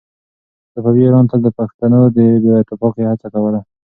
صفوي ایران تل د پښتنو د بې اتفاقۍ هڅه کوله.